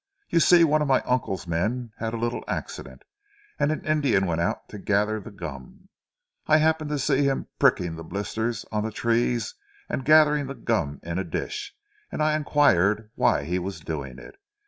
You see one of my uncle's men had a little accident, and an Indian went out to gather the gum. I happened to see him pricking the blisters on the trees and gathering the gum in a dish and I inquired why he was doing it.